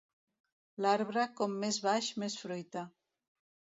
L'arbre, com més baix, més fruita.